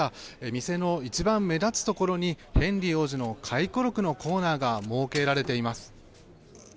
店の一番目立つところにヘンリー王子の回顧録のコーナーが設けられています。